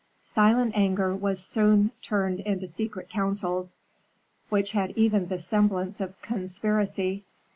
Silent anger was soon turned into secret councils, which had even the semblance of conspiracy.